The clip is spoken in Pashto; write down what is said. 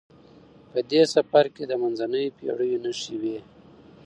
په دې سفر کې د منځنیو پیړیو نښې وې.